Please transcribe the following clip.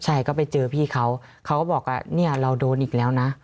ใช่ก็ไปเจอพี่เขาเขาก็บอกว่าเนี่ยเราโดนอีกแล้วนะ